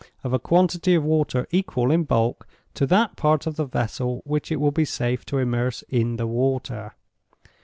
—of a quantity of water equal in bulk to that part of the vessel which it will be safe to immerse in the water.